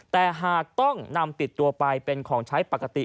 แต่หากต้องนำติดตัวไปเป็นของใช้ปกติ